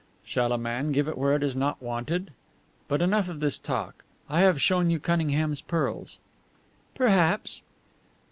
"Shall a man give it where it is not wanted? But enough of this talk. I have shown you Cunningham's pearls." "Perhaps."